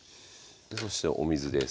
そしてお水です。